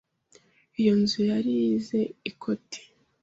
Iyo nzu yarize ikote.